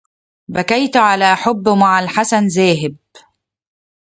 بكيت على حب مع الحسن ذاهب